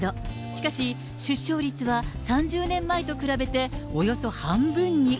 しかし、出生率は３０年前と比べて、およそ半分に。